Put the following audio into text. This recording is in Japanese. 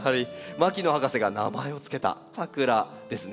牧野博士が名前を付けたサクラですね。